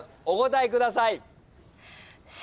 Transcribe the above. お答えください。